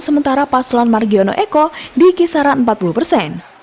sementara paslon margiono eko di kisaran empat puluh persen